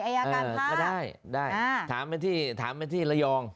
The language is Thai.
อายการค่ะก็ได้ถามไปที่ระยอง